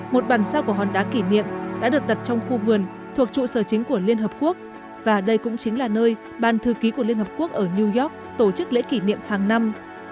một bàn sao của hòn đá kỷ niệm đã được đặt trong khu vườn thuộc trụ sở chính của liên hợp quốc và đây cũng chính là nơi ban thư ký của liên hợp quốc ở new york tổ chức lễ kỷ niệm hàng năm